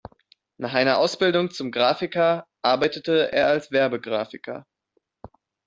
Nach einer Ausbildung zum Grafiker arbeitete er als Werbegrafiker.